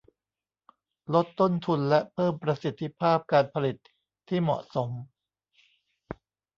ลดต้นทุนและเพิ่มประสิทธิภาพการผลิตที่เหมาะสม